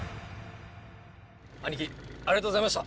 兄貴ありがとうございました。